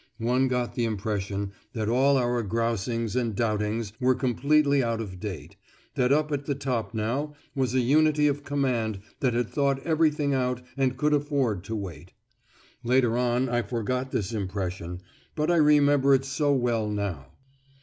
One got the impression that all our grousings and doubtings were completely out of date, that up at the top now was a unity of command that had thought everything out and could afford to wait. Later on I forgot this impression, but I remember it so well now.